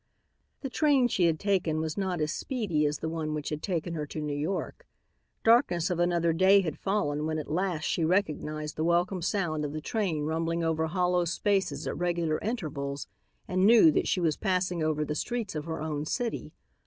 The train she had taken was not as speedy as the one which had taken her to New York. Darkness of another day had fallen when at last she recognized the welcome sound of the train rumbling over hollow spaces at regular intervals and knew that she was passing over the streets of her own city.